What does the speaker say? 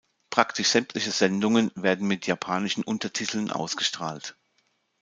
Praktisch sämtliche Sendungen werden mit japanischen Untertiteln ausgestrahlt.